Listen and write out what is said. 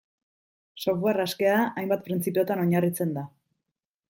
Software askea, hainbat printzipiotan oinarritzen da.